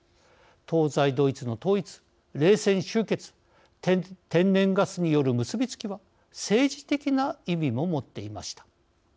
東西ドイツの統一、冷戦終結天然ガスによる結びつきは政治的な意味も持っていました。